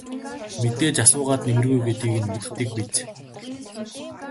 Мэдээж асуугаад нэмэргүй гэдгийг нь мэддэг биз.